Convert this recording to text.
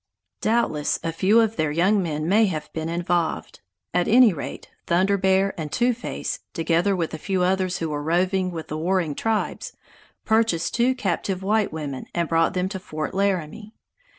Doubtless a few of their young men may have been involved; at any rate, Thunder Bear and Two Face, together with a few others who were roving with the warring tribes, purchased two captive white women and brought them to Fort Laramie.